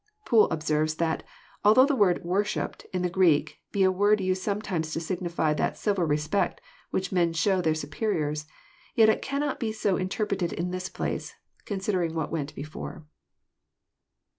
Poole observes that " although the word * worshipped ' in the { Greek be a word used sometimes to signify that civil respect I which men show to their superiors, yet it cannot be so inter preted in this place, considering what went before."